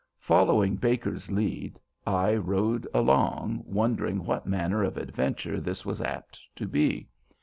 Following Baker's lead, I rode along, wondering what manner of adventure this was apt to be.